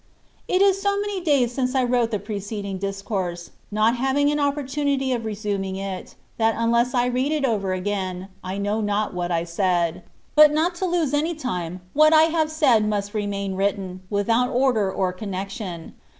It is 80 many days since I wrote the preceding discourse, not having an opportunity of resuming it, that unless I read it over again, I know not what I said : but not to lose any time, what I have said must remain written, without order or connection.